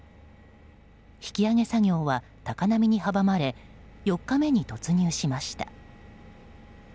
引き揚げ作業は高波に阻まれ４日目に突入しました。